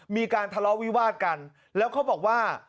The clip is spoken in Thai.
มีการทะเลาะวิวาดกันแล้วเขาบอกว่า